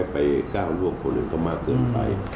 ไปก้าวร่วงคนอื่นเขามากเกินไป